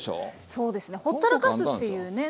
そうですねほったらかすっていうね。